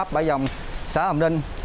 bãi dòng xã hồng đinh